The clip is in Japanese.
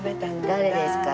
誰ですか？